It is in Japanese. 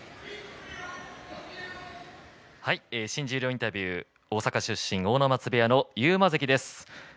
新十両インタビュー大阪出身阿武松部屋の勇磨関です。